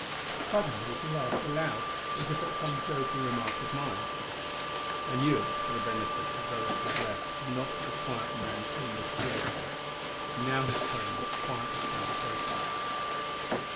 Suddenly he laughed aloud, as if at some joking remark of mine; I knew it was for the benefit of those he had left and not for the quiet man from the Surete. And now his tone was quietly conversational.